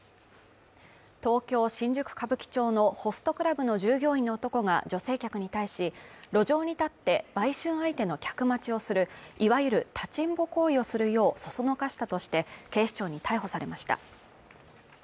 東京新宿歌舞伎町のホストクラブの従業員の男が女性客に対し、路上に立って売春相手の客待ちをする、いわゆる立ちんぼ行為をするようそそのかしたとして警視庁に逮捕されました。